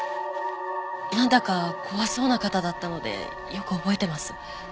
なんだか怖そうな方だったのでよく覚えてます。